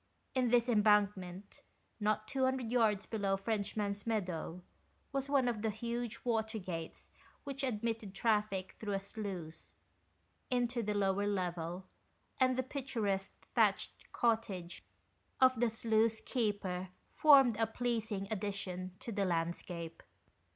In this embankment, not two hundred yards below "Frenchman's Meadow," was one of the huge 50 THE EICHPINS. water gates which admitted traffic through a sluice, into the lower level, and the picturesque thatched cottage of the sluice keeper formed a pleasing addition to the landscape.